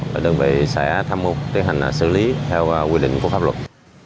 và đơn vị sẽ thăm mưu tiến hành xử lý theo quy định của pháp luật